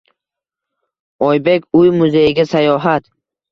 Oybek uy-muzeyiga sayohat